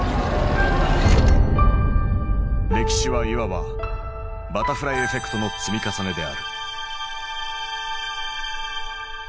歴史はいわば「バタフライエフェクト」の積み重ねである。